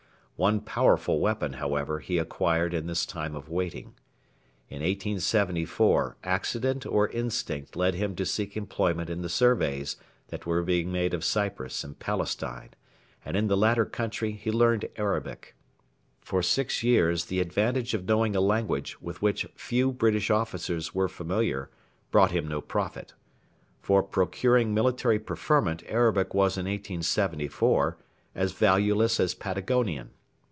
One powerful weapon, however, he acquired in this time of waiting. In 1874 accident or instinct led him to seek employment in the surveys that were being made of Cyprus and Palestine, and in the latter country he learned Arabic. For six years the advantage of knowing a language with which few British officers were familiar brought him no profit. For procuring military preferment Arabic was in 1874 as valueless as Patagonian.